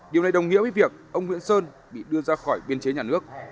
điều này đồng nghĩa với việc ông nguyễn sơn bị đưa ra khỏi biên chế nhà nước